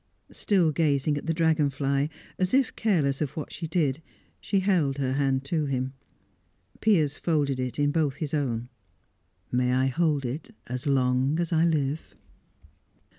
Still gazing at the dragon fly, as if careless of what she did, she held her hand to him. Piers folded it in both his own. "May I hold it as long as I live?"